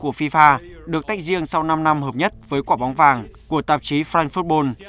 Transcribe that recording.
danh hiệu của fifa được tách riêng sau năm năm hợp nhất với quả bóng vàng của tạp chí frankfurt ball